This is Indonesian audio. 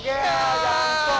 jangan kuat lu ha